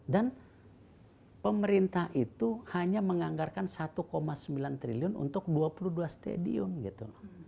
dan pemerintah itu hanya menganggarkan satu sembilan triliun untuk dua puluh dua stadion gitu